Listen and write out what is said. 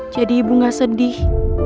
jadi ibu gak sedih